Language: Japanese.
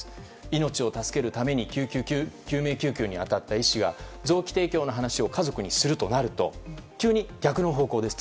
命を助けるために救命救急に当たった医師が臓器提供の話を家族にするとなると急に逆の方向です。